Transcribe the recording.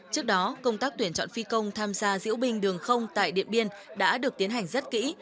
trước đó công tác tuyển chọn phi công tham gia diễu binh đường không tại điện biên đã được tiến hành rất kỹ